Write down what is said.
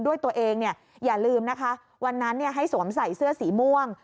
ด้วยตัวเองอย่าลืมนะคะวันนั้นให้สวมใส่เสื้อสีม่วง